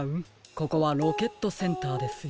ここはロケットセンターですよ。